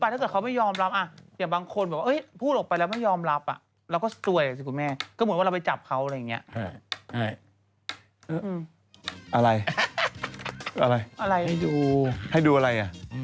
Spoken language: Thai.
เจ๊เก๋อิชามาให้ใส่